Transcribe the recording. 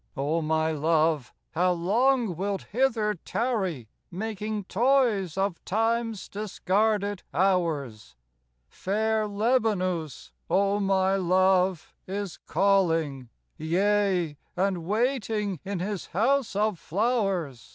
O my Love, how long wilt hither tarry, Making toys of Time's discarded hours? Fair Lebanus, O my Love, is calling, Yea, and waiting in his House of Flowers.